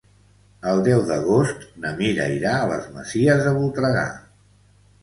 El deu d'agost na Mira irà a les Masies de Voltregà.